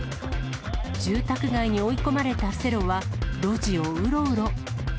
住宅街に追い込まれたセロは、路地をうろうろ。